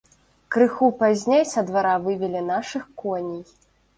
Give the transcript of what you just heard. Крыху пазней са двара вывелі нашых коней.